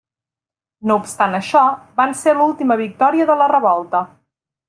No obstant això, van ser l'última victòria de la revolta.